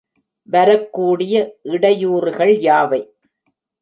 வரக்கூடிய இடையூறுகள் யாவை?